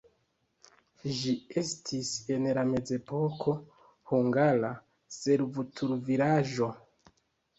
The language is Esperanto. Ĝi estis en la mezepoko hungara servutulvilaĝo.